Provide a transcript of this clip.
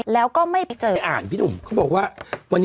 แล้วก็ไม่เห็น